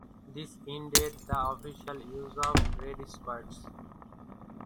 This ended the official use of Red Squads.